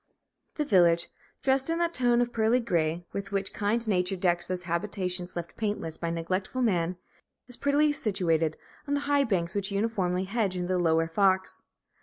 The village, dressed in that tone of pearly gray with which kind Nature decks those habitations left paintless by neglectful man, is prettily situated on the high banks which uniformly hedge in the Lower Fox.